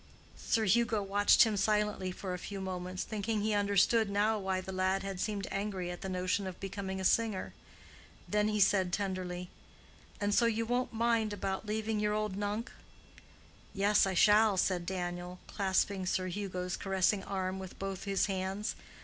Sir Hugo watched him silently for a few moments, thinking he understood now why the lad had seemed angry at the notion of becoming a singer. Then he said tenderly, "And so you won't mind about leaving your old Nunc?" "Yes, I shall," said Daniel, clasping Sir Hugo's caressing arm with both his hands.